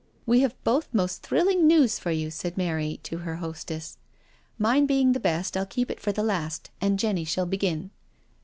" We have both most thrilling news for you," said Mary to her hostess. " Mine being the best, I'll keep it for the last, and Jenny shall begin."